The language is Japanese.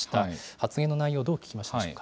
発言の内容をどう聞きましたでしょうか。